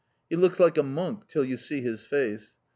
He looks like a monk till you see his face.